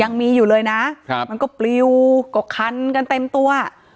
ยังมีอยู่เลยนะครับมันก็ปลิวก็คันกันเต็มตัว